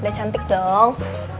udah cantik dong